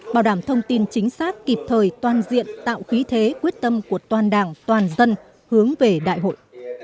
bảo đảm thông tin chính xác kịp thời toàn diện tạo khí thế quyết tâm của toàn đảng toàn dân hướng về đại hội